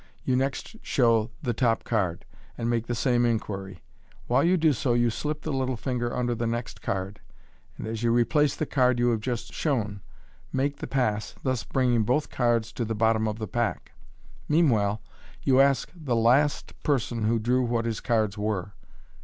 You next show the top card, and make the same inquiry. While you do so, you slip the little finger under the next card, and as you replace the card you have just shewn, make the pass, thus bringing both cards to the bottom of the pack. Meanwhile, you ask the last person who drew what his cards were.